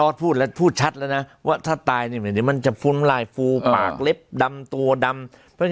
ออสพูดแล้วพูดชัดแล้วนะว่าถ้าตายนี่มันจะฟุ้นลายฟูปากเล็บดำตัวดำเพราะ